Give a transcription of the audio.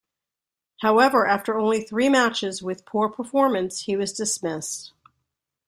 However, after only three matches with poor performance, he was dismissed.